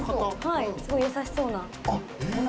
すごい優しそうな。